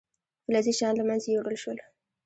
فلزي شیان له منځه یوړل شول.